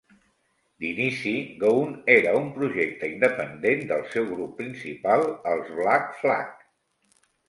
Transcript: D'inici, Gone era un projecte independent del seu grup principal, els Black Flag.